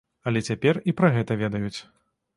Але цяпер і пра гэта ведаюць.